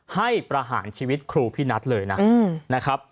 ประหารชีวิตครูพี่นัทเลยนะครับ